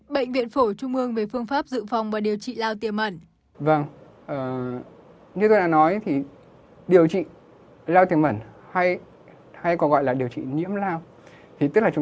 bệnh viện phổ trung ương về phương pháp dự phòng và điều trị lao tư mẩn